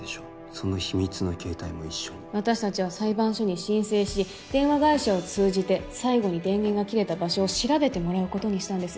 その秘密の携帯も一緒に私達は裁判所に申請し電話会社を通じて最後に電源が切れた場所を調べてもらうことにしたんです